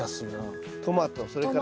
トマトそれから？